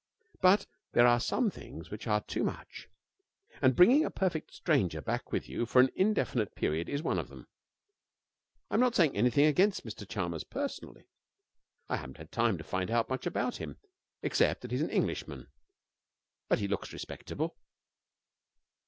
But there are some things which are too much, and bringing a perfect stranger back with you for an indefinite period is one of them. I'm not saying anything against Mr Chalmers personally. I haven't had time to find out much about him, except that he's an Englishman; but he looks respectable.